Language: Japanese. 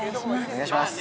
お願いします